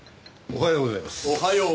おはようございます。